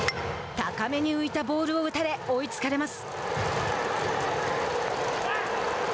高めに浮いたボールを打たれ追いつかれます。